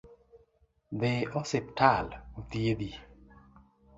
Dhi osiptal othiedhi.